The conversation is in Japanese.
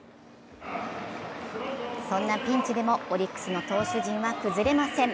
そんなピンチでもオリックスの投手陣は崩れません。